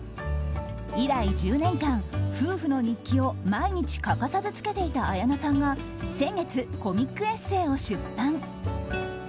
以来１０年間、夫婦の日記を毎日欠かさずつけていた綾菜さんが先月、コミックエッセーを出版。